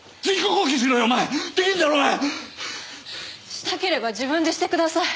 したければ自分でしてください。